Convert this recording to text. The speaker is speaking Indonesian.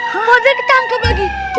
pak dini ketangkap lagi